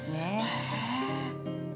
へえ。